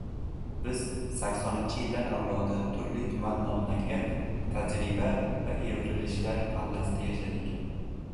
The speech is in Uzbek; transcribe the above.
Biz saksonninchi yillar avlodi turli-tuman nomlangan tajriba va evrilishlar pallasida yashadik.